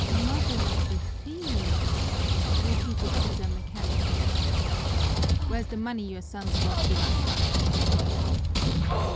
"Mother of the thieves!" repeated Sisa mechanically. "Where's the money your sons brought you last night?"